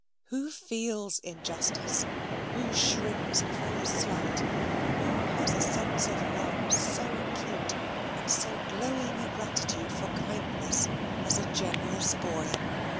Who feels injustice; who shrinks before a slight; who has a sense of wrong so acute, and so glowing a gratitude for kindness, as a generous boy?